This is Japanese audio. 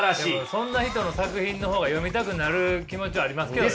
そんな人の作品の方が読みたくなる気持ちありますけどね。